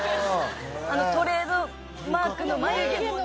あのトレードマークの眉毛もね